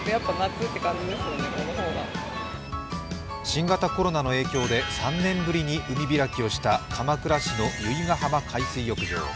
新型コロナの影響で３年ぶりに海開きをした鎌倉市の由比ガ浜海水浴場。